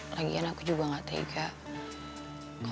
lagian aku juga gak tega